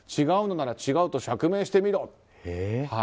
違うのなら違うと釈明してみろと。